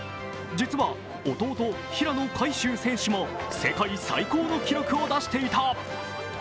実は弟・平野海祝選手も世界最高の記録を出していた。